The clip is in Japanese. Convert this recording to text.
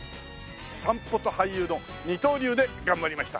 散歩と俳優の二刀流で頑張りました。